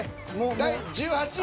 第１８位。